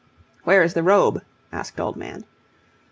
"Where is the robe?" asked Old Man.